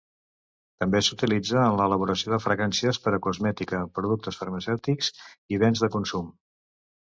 També s'utilitza en l'elaboració de fragàncies per a cosmètica, productes farmacèutics i béns de consum.